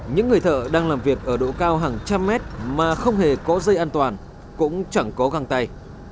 những người thợ đang làm việc ở độ cao hàng trăm mét mà không hề có dây an toàn cũng chẳng có găng tay